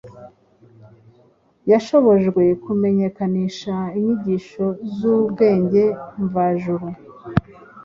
yashobojwe kumenyekanisha inyigisho z’ubwenge mvajuru